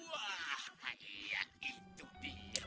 wah iya itu dia